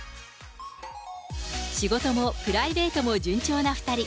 仕事もプライベートも順調な２人。